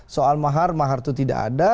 soal mahar mahar itu tidak ada